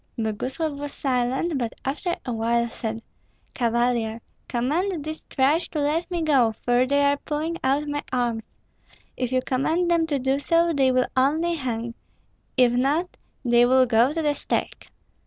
Boguslav was silent, but after a while said, "Cavalier, command these trash to let me go, for they are pulling out my arms. If you command them to do so, they will only hang; if not, they will go to the stake."